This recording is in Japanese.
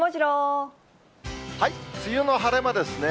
梅雨の晴れ間ですね。